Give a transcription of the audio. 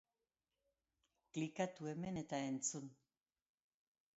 Klikatu hemen eta entzun!